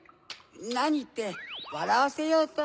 なにってわらわせようと。